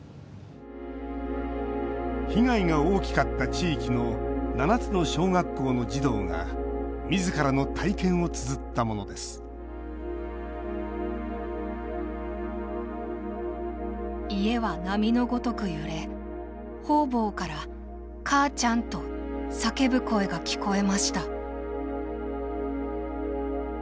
被害が大きかった地域の７つの小学校の児童がみずからの体験をつづったものです「家は波の如くゆれ方々から『母ちゃん』と叫ぶ声が聞こえました」。